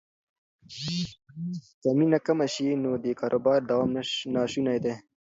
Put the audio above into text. که مینه کمه شي نو د کاروبار دوام ناشونی دی.